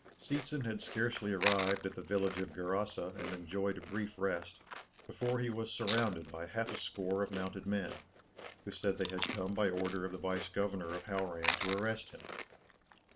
Seetzen had scarcely arrived at the village of Gerasa and enjoyed a brief rest, before he was surrounded by half a score of mounted men, who said they had come by order of the vice governor of Hauran to arrest him.